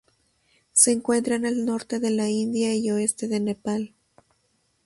Se encuentra en el norte de la India y oeste de Nepal.